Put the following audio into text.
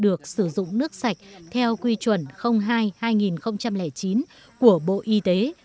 được sử dụng nước sạch theo quy chuẩn hai hai nghìn chín của bộ y tế